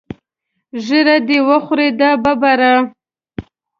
ږیره دې وخوره دا ببره.